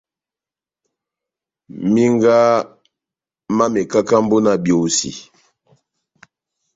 Minga má mekakambo na biosi.